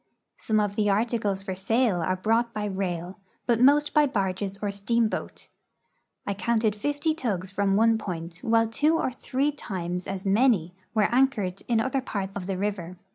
Some of the articles for sale are brought by rail, but most by barges or steamboat. I counted fifty tugs from one point, while two or three times as many were anchored in other parts of the river.